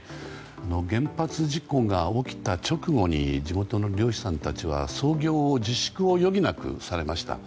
原発事故が起きた直後に地元の漁師さんたちは操業自粛を余儀なくされました。